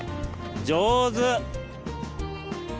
上手。